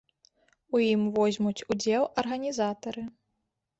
У ім возьмуць удзел арганізатары.